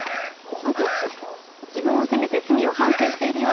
なぜって自分を責めて罪を反省しているようでしたし。